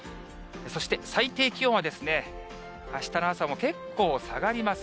そして最低気温は、あしたの朝も結構下がります。